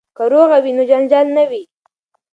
که روغه وي نو جنجال نه وي.